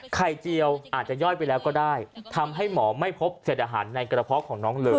เจียวอาจจะย่อยไปแล้วก็ได้ทำให้หมอไม่พบเศษอาหารในกระเพาะของน้องเลย